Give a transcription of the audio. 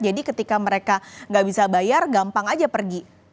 jadi ketika mereka tidak bisa bayar gampang saja pergi